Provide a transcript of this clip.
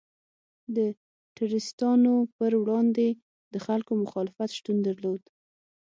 د ټرستانو پر وړاندې د خلکو مخالفت شتون درلود.